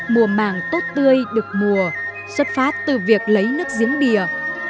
mùa màng tốt tươi được mùa xuất phát từ việc lấy nước giếng bìa